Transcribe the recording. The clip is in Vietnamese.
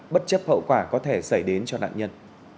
bất chấp hậu quả có thể xảy đến cho nạn nhân